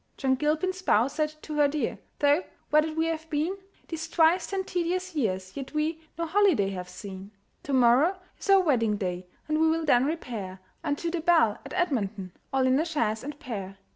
John Gilpin's spouse said to her dear, "Though wedded we have been These twice ten tedious years, yet we No holiday have seen. "To morrow is our wedding day, And we will then repair Unto the 'Bell' at Edmonton, All in a chaise and pair.